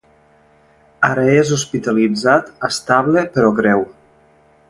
Ara és hospitalitzat, estable però greu.